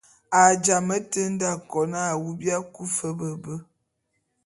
A jamé te nde akon a awu bia kui fe be be.